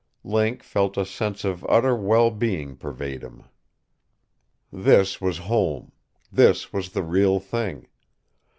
Link felt a sense of utter well being pervade him. This was home this was the real thing.